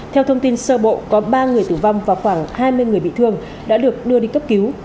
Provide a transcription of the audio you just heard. theo thông tin sơ bộ có ba người tử vong và khoảng hai mươi người bị thương đã được đưa đi cấp cứu